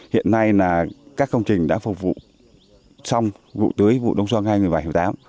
hiện nay là các công trình đã phục vụ xong vụ tưới vụ đông soa ngay một mươi bảy một mươi tám